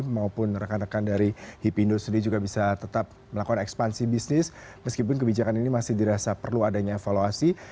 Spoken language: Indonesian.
maupun rekan rekan dari hipindo sendiri juga bisa tetap melakukan ekspansi bisnis meskipun kebijakan ini masih dirasa perlu adanya evaluasi